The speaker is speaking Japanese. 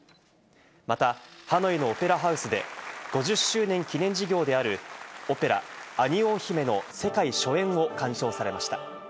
また、ハノイのオペラハウスで５０周年記念事業であるオペラ『アニオー姫』の世界初演を鑑賞されました。